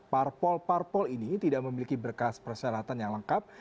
parpol parpol ini tidak memiliki berkas persyaratan yang lengkap